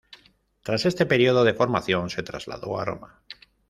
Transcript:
Tras este período de formación se trasladó a Roma.